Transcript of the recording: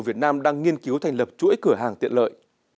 việt nam đang nghiên cứu thành lập chuỗi cửa hàng tiện lợi